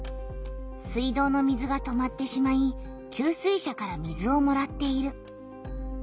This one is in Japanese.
水道の水が止まってしまい給水車から水をもらっている。